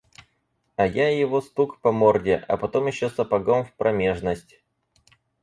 А я его стук по морде, а потом еще сапогом в промежность.